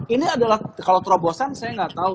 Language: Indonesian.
ini adalah kalau terobosan saya nggak tahu